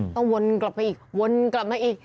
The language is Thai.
ต้องมนต์กลับไปอีกมนต์กลับมาอีก